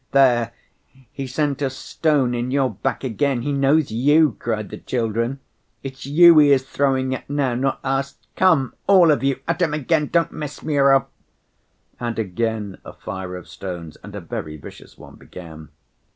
"There, he sent a stone in your back again, he knows you," cried the children. "It's you he is throwing at now, not us. Come, all of you, at him again, don't miss, Smurov!" and again a fire of stones, and a very vicious one, began.